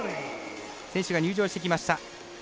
選手が入場してきました。